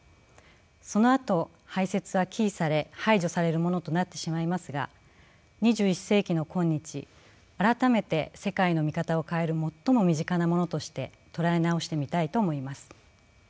そのあと排泄は忌避され排除されるものとなってしまいますが２１世紀の今日改めて世界の見方を変える最も身近なものとして捉え直してみたいと思います。